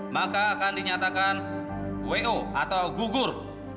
maka akan dinyatakan wo atau gugur